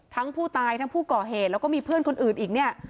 ทั้งผู้ตายทั้งผู้ก่อเหตุแล้วก็มีเพื่อนคนอื่นอีกเนี่ย